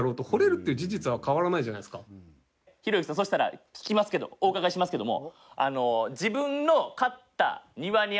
ひろゆきさんそしたら聞きますけどお伺いしますけれども。